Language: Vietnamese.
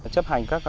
chấp hành các loại